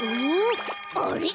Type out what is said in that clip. あれ？